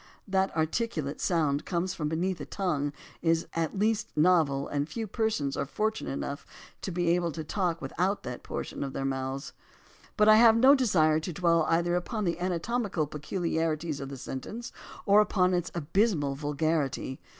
That articulate sounds come from beneath the tongue is at least novel and few persons are fortunate enough to be able to talk with that portion of their mouths. AS TO ANTHOLOGIES 243 But I have no desire to dwell either upon the anatom ical peculiarities of the sentence or upon its abysmal vulgarity.